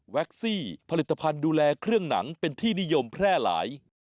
ซี่ผลิตภัณฑ์ดูแลเครื่องหนังเป็นที่นิยมแพร่หลาย